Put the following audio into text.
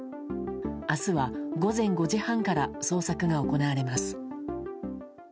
明日は午前５時半から捜索が行われます。